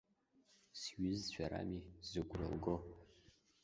Сҩызцәа рами, зыгәра лго.